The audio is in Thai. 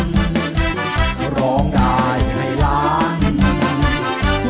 สวัสดีครับ